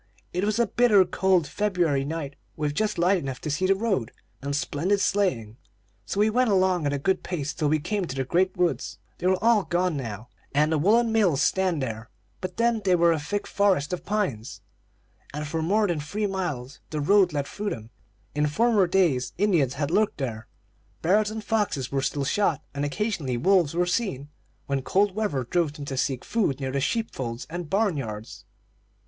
It was a bitter cold February night, with just light enough to see the road, and splendid sleighing; so we went along at a good pace, till we came to the great woods. They are all gone now, and the woollen mills stand there, but then they were a thick forest of pines, and for more than three miles the road led through them. In former days Indians had lurked there; bears and foxes were still shot, and occasionally wolves were seen, when cold weather drove them to seek food near the sheep folds and barn yards.